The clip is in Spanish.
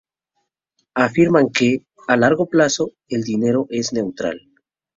Afirman que, a largo plazo, el dinero es neutral.